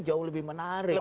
jauh lebih menarik